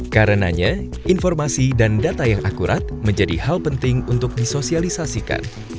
karenanya informasi dan data yang akurat menjadi hal penting untuk disosialisasikan